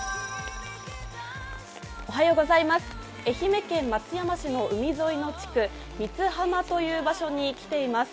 愛媛県松山市の海沿いの地区、三津浜という場所に来ています。